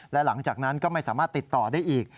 และหลังจากนั้นก็ไม่สามารถติดต่อได้อีก